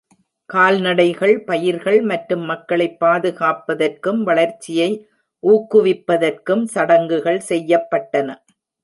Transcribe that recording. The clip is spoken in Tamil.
கால்நடைகள், பயிர்கள் மற்றும் மக்களைப் பாதுகாப்பதற்கும், வளர்ச்சியை ஊக்குவிப்பதற்கும் சடங்குகள் செய்யப்பட்டன.